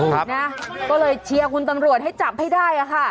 ครับนะก็เลยเชียร์คุณตังรวจให้จับให้ได้ค่ะ